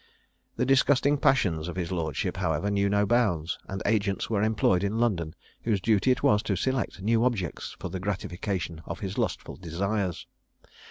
The disgusting passions of his lordship, however, knew no bounds; and agents were employed in London, whose duty it was to select new objects for the gratification of his lustful desires.